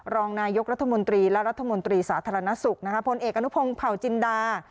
รองนายกรัฐมนตรีและรัฐมนตรีสาธารณสุขพลเอกอนุพงศ์เผาจินดา